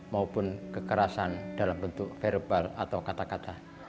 maupun kekerasan dalam bentuk verbal atau kata kata